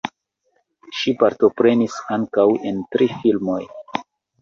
Ŝi partoprenis ankaŭ en tri filmoj.